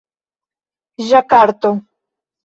ĝakarto